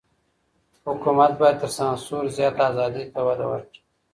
حکومت بايد تر سانسور زيات ازادۍ ته وده ورکړي.